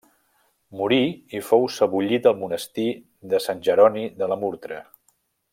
Morí i fou sebollit al monestir de Sant Jeroni de la Murtra.